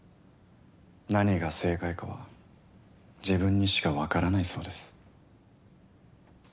何が正解かは自分にしかわからないそうです。